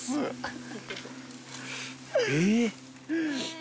・えっ？